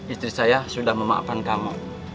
istri saya sudah memaafkan kamu